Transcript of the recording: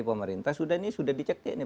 pemerintah sudah ini sudah dicekik nih